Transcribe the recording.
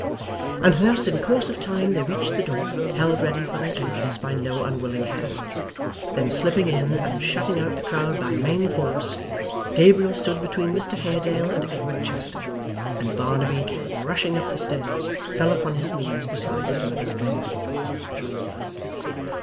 And thus, in course of time, they reached the door, held ready for their entrance by no unwilling hands. Then slipping in, and shutting out the crowd by main force, Gabriel stood between Mr Haredale and Edward Chester, and Barnaby, rushing up the stairs, fell upon his knees beside his mother's bed.